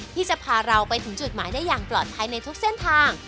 ที่จะพาเราไปถึงจุดหมายได้อย่างปลอดภัยในทุกเส้นทาง